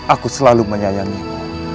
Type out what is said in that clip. aku selalu menyayangimu